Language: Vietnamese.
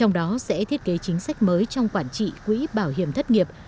trong đó sẽ thiết kế chính sách mới trong quản trị quỹ bảo hiểm thất nghiệp